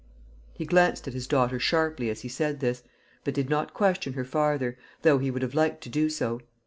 He glanced at his daughter sharply as he said this, but did not question her farther, though he would have liked to do so.